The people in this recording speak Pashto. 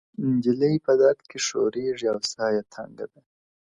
• نجلۍ په درد کي ښورېږي او ساه يې تنګه ده,